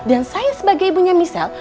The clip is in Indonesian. dan saya sebagai ibunya michelle